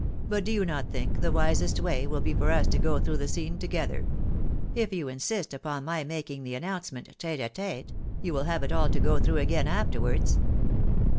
" But do you not think the wisest way will be for ua to go through the scene together ? If you insist upon my making the announce ment tete a tete, you will have it all to go through again after wards."